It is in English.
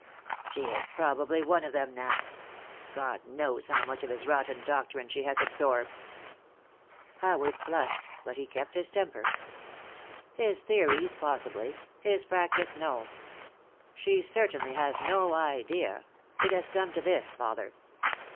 "She is probably one of them now. God knows how much of his rotten doctrine she has absorbed." Howard flushed, but he kept his temper. "His theories, possibly. His practice, no. She certainly has no idea... it has come to this, father.